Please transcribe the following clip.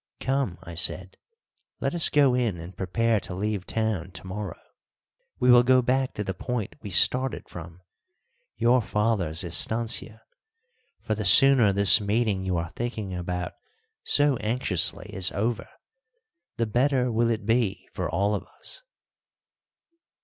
"Come," I said, "let us go in and prepare to leave town to morrow. We will go back to the point we started from your father's estancia, for the sooner this meeting you are thinking about so anxiously is over the better will it be for all of us."